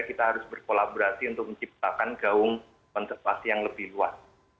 kita harus berkolaborasi untuk menciptakan gaung konservasi yang lebih luas